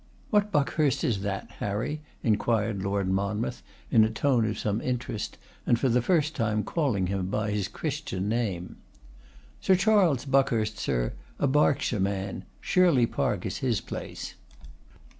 'What Buckhurst is that, Harry?' inquired Lord Monmouth, in a tone of some interest, and for the first time calling him by his Christian name. 'Sir Charles Buckhurst, sir, a Berkshire man: Shirley Park is his place.